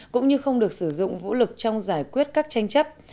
cũng như không được sử dụng vũ lực trong giải quyết các tranh chấp